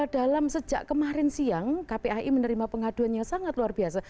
dalam sejak kemarin siang kpai menerima pengaduannya sangat luar biasa